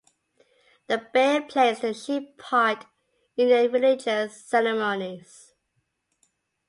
The bear plays the chief part in their religious ceremonies.